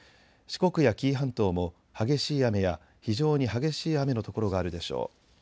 四国や紀伊半島も激しい雨や非常に激しい雨の所があるでしょう。